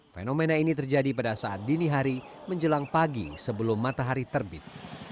fenomena ini terjadi pada saat dini hari menjelang pagi sebelum matahari terbit